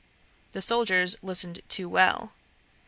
The soldiers listened too well.